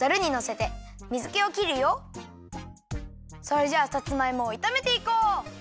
それじゃあさつまいもをいためていこう！